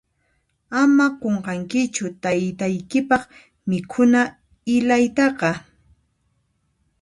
Ama qunqankichu taytaykipaq mikhuna ilaytaqa.